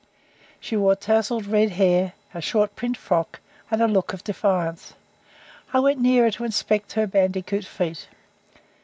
She wore towzled red hair, a short print frock, and a look of defiance. I went nearer to inspect her bandicoot feet.